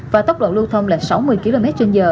và tốc độ lưu thông là sáu mươi kmh